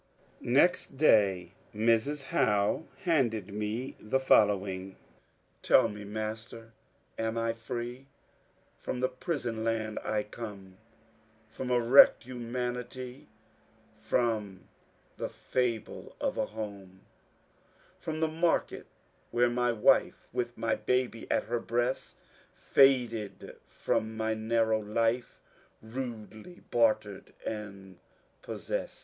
Next day Mrs. Howe handed me the following :— Tell me, master, am I free ? From the priBon land I come, From a wrecked humanity, From the fMe of a home, — From the market where m j wife. With mj baby at her breast, Faded from my narrow life, Radelj bartered and possest.